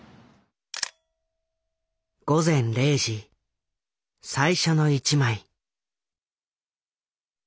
午前０時最初の１枚。